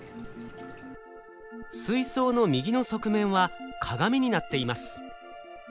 水槽の右の側面は鏡になっています。